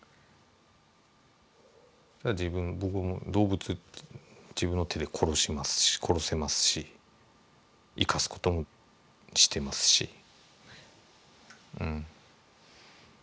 僕も動物自分の手で殺せますし生かすこともしてますしうん。